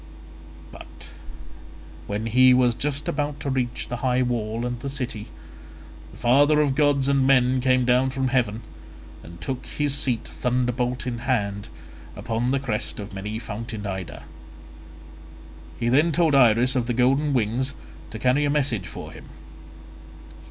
But when he was just about to reach the high wall and the city, the father of gods and men came down from heaven and took his seat, thunderbolt in hand, upon the crest of many fountained Ida. He then told Iris of the golden wings to carry a message for him.